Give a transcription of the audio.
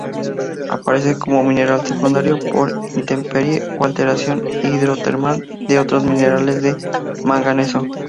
Aparece como mineral secundario por intemperie o alteración hidrotermal de otros minerales del manganeso.